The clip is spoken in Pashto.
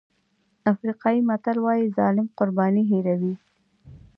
افریقایي متل وایي ظالم قرباني هېروي.